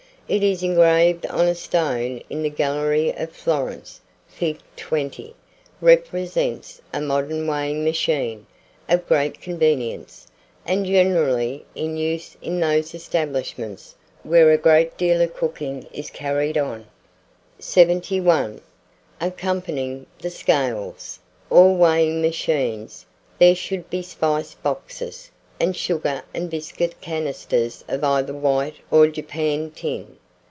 It is engraved on a stone in the gallery of Florence. Fig. 20 represents a modern weighing machine, of great convenience, and generally in use in those establishments where a great deal of cooking is carried on. 71. ACCOMPANYING THE SCALES, or weighing machines, there should be spice boxes, and sugar and biscuit canisters of either white or japanned tin.